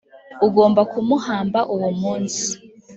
ugomba kumuhamba uwo munsi,